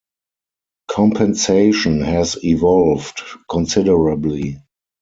Compensation has evolved considerably.